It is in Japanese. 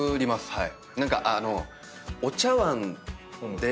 はい。